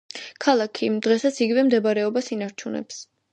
ქალაქი დღესაც იგივე მდებარეობას ინარჩუნებს.